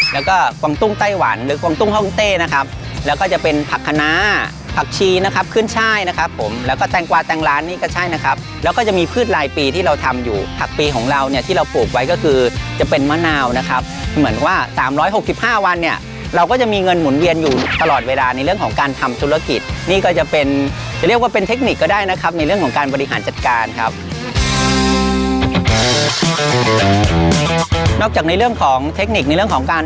แล้วก็กวางตุ้งไต้หวันหรือกวางตุ้งฮ่องเต้นะครับแล้วก็จะเป็นผักคณะผักชีนะครับขึ้นช่ายนะครับผมแล้วก็แตงกวาแตงร้านนี่ก็ใช่นะครับแล้วก็จะมีพืชรายปีที่เราทำอยู่ผักปีของเราเนี้ยที่เราปลูกไว้ก็คือจะเป็นมะนาวนะครับเหมือนว่าสามร้อยหกสิบห้าวันเนี้ยเราก็จะมีเงินหมุนเวียนอยู่ตลอดเวลาในเรื่อง